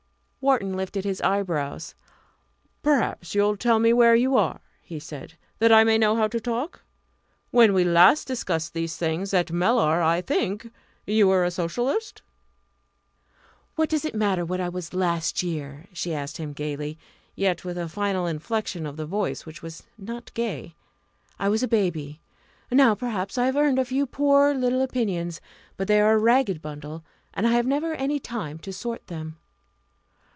Wharton lifted his eyebrows. "Perhaps you'll tell me where you are," he said, "that I may know how to talk? When we last discussed these things at Mellor, I think you were a Socialist?" "What does it matter what I was last year?" she asked him gaily, yet with a final inflection of the voice which was not gay; "I was a baby! Now perhaps I have earned a few poor, little opinions but they are a ragged bundle and I have never any time to sort them."